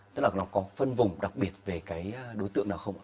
tức là nó có phân vùng đặc biệt về cái đối tượng nào không ạ